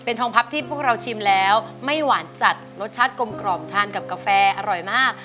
ทองพับที่พวกเราชิมแล้วไม่หวานจัดรสชาติกลมกล่อมทานกับกาแฟอร่อยมาก